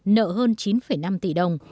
nợ hơn chín năm tỷ đồng